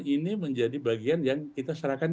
ini menjadi bagian yang kita serahkan